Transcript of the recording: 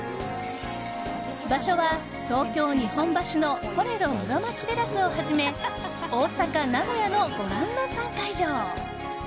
場所は東京・日本橋のコレド室町テラスをはじめ大阪、名古屋のご覧の３会場。